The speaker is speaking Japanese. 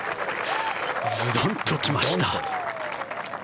ズドンと来ました。